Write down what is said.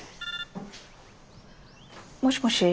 もしもし。